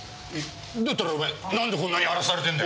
だったらお前なんでこんなに荒らされてんだ？